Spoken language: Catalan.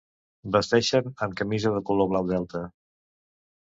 Vesteixen amb camisa de color Blau Delta.